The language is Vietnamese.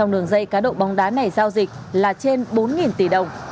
đường dây cá độ bóng đá này giao dịch là trên bốn tỷ đồng